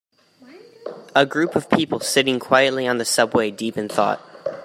A group of people sitting quietly on the subway deep in thought